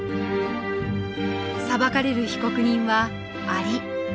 裁かれる被告人はアリ。